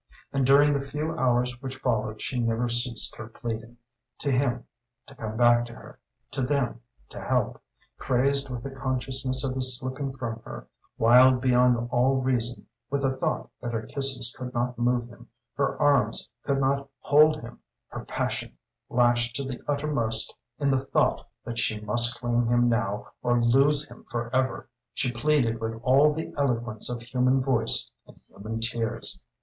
And during the few hours which followed she never ceased her pleading to him to come back to her, to them to help. Crazed with the consciousness of his slipping from her, wild beyond all reason with the thought that her kisses could not move him, her arms could not hold him, her passion lashed to the uttermost in the thought that she must claim him now or lose him forever, she pleaded with all the eloquence of human voice and human tears.